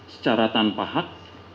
secara tanpa hak